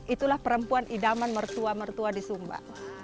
itulah perempuan idaman mertua mertua di sumba